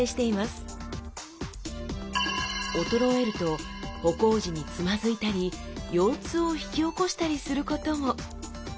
衰えると歩行時につまずいたり腰痛を引き起こしたりすることも。